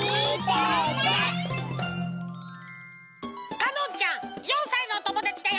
かのんちゃん４さいのおともだちだよ！